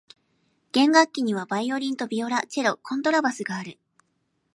弦楽器にはバイオリンとビオラ、チェロ、コントラバスがある。